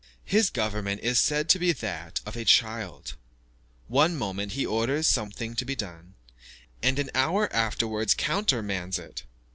His government is said to be that of a child; one moment he orders something to be done, and an hour afterwards countermands it.